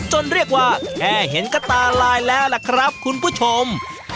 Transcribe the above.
เรียกว่าแค่เห็นก็ตาลายแล้วล่ะครับคุณผู้ชม